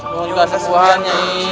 nyungun kena kesembuhan nyai